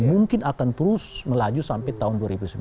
mungkin akan terus melaju sampai tahun dua ribu sembilan belas